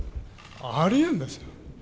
ありえんですよ。